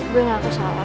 gue gak kesalah